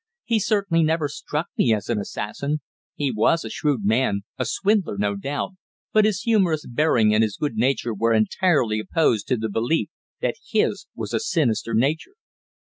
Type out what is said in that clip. "He certainly never struck me as an assassin. He was a shrewd man a swindler, no doubt, but his humorous bearing and his good nature were entirely opposed to the belief that his was a sinister nature."